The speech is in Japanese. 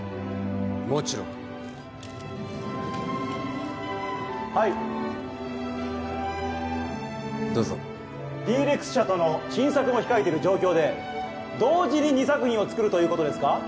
もちろんはいどうぞＤ−ＲＥＸ社との新作も控えている状況で同時に２作品を作るということですか？